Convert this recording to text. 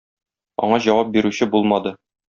Аңа җавап бирүче булмады.